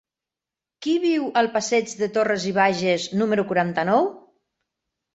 Qui viu al passeig de Torras i Bages número quaranta-nou?